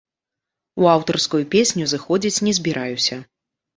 У аўтарскую песню зыходзіць не збіраюся.